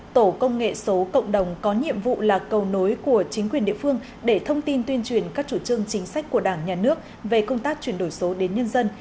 tổ công nghệ số cộng đồng có nhiệm vụ là cầu nối của chính quyền địa phương để thông tin tuyên truyền các chủ trương chính sách của đảng nhà nước về công tác chuyển đổi số đến nhân dân